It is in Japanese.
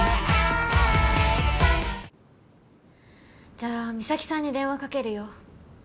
じゃあ美咲さんに電話かけるよ。